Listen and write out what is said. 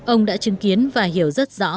ông đã chứng kiến và hiểu rất rõ